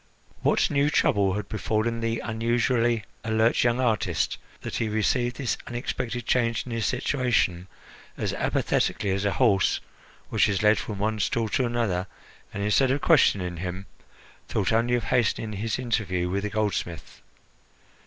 What new trouble had befallen the usually alert young artist that he received this unexpected change in his situation as apathetically as a horse which is led from one stall to another, and, instead of questioning him, thought only of hastening his interview with the goldsmith?